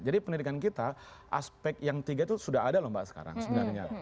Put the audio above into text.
jadi pendidikan kita aspek yang tiga itu sudah ada loh mbak sekarang sebenarnya